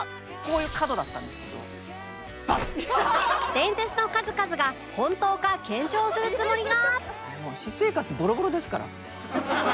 伝説の数々が本当か検証するつもりが